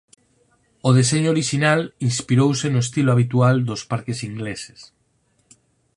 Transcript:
O deseño orixinal inspirouse no estilo habitual dos parques ingleses.